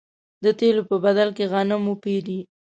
د تېلو په بدل کې غنم وپېري.